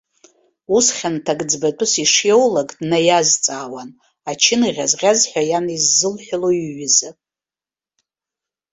Ус хьанҭак ӡбатәыс ишиоулак днаиазҵаауан, ачын ӷьазӷьаз ҳәа иан иззылҳәало иҩыза.